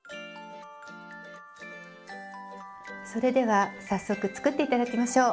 それでは早速作って頂きましょう。